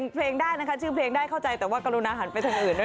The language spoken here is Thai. เพลงได้นะคะชื่อเพลงได้เข้าใจแต่ว่ากรุณาหันไปทางอื่นด้วย